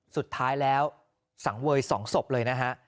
สุดท้ายแล้วสังเวย๒ศพเลยนะฮะ